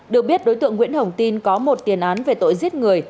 được biết đối tượng nguyễn hồng tin có một tiền án về tội giết người